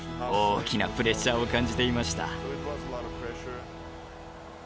大きなプレッシャーを感じていました。